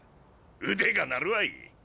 腕が鳴るわい。